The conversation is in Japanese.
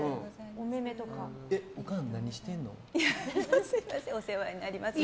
おかん何してんの？